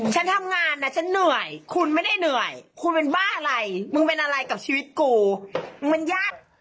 ฉันทำงานนะฉันเหนื่อยคุณไม่ได้เหนื่อยคุณเป็นบ้าอะไรมึงเป็นอะไรกับชีวิตกูมึงมันยาก